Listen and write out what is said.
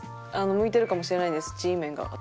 向いてるかもしれないですＧメンが私。